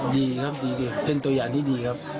ดีครับดีเป็นตัวอย่างที่ดีครับ